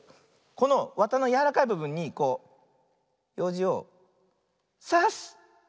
このわたのやわらかいぶぶんにこうようじをさす！